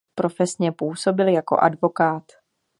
Profesně působil jako advokát.